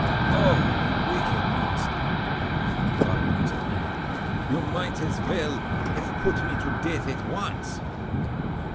'Oh, you wicked monster!' thought Prince Milan, 'you might as well have put me to death at once.